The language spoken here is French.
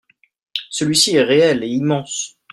Celui-ci est réel et immense.